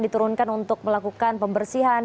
diturunkan untuk melakukan pembersihan